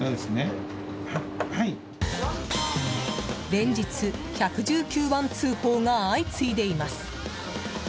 連日、１１９番通報が相次いでいます。